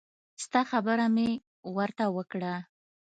ستا خبره مې ورته وکړه.